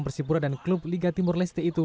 persipura dan klub liga timur leste itu